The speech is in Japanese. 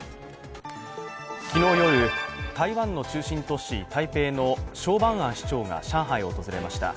昨日夜、台湾の中心都市台北の蒋万安市長が上海を訪れました。